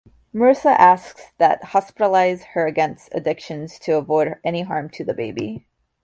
Marisa asks that hospitalize her against addictions to avoid any harm to the baby.